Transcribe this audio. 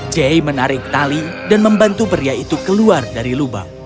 jay menarik tali dan membantu pria itu keluar dari lubang